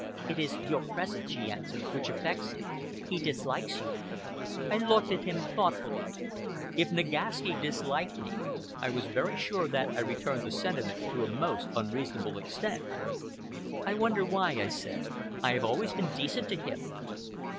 "It is your presence," she answered, "which affects him. He dislikes you." I looked at him thoughtfully. If Nagaski disliked me, I was very sure that I returned the sentiment to a most unreasonable extent. "I wonder why," I said. "I have always been decent to him."